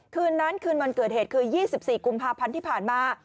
คืนนั้นคืนวันเกิดเหตุคือ๒๔กุมภาพันธ์ที่ผ่านมา